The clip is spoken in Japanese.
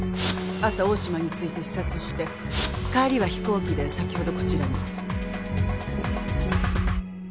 朝大島に着いて視察して帰りは飛行機で先ほどこちらに。